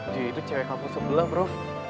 dia itu cewe kampung sebelah bro